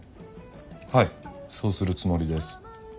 はいそうするつもりです。